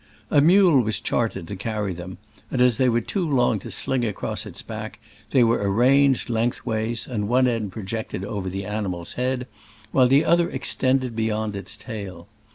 A mule was chartered to carry them, and as they were too long to sling across its back, they were arranged lengthways, and one end projected over the ani mal's head, while the other extended beyond its tail.